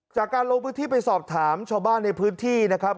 จากการลงพื้นที่ไปสอบถามชาวบ้านในพื้นที่นะครับ